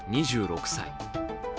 ２６歳。